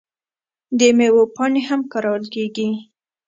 د میوو پاڼې هم کارول کیږي.